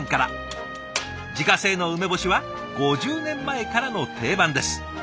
自家製の梅干しは５０年前からの定番です。